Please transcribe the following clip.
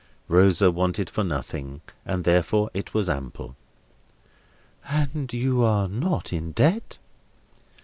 Rosa wanted for nothing, and therefore it was ample. "And you are not in debt?"